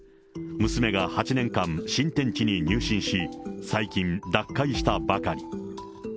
娘が８年間、新天地に入信し、最近、脱会したばかり。